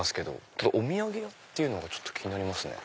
ただお土産屋っていうのがちょっと気になりますね。